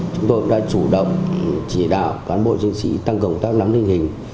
chúng tôi đã chủ động chỉ đạo cán bộ chương trị tăng công tác nắm linh hình